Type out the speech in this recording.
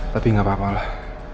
tapi gak apa apalah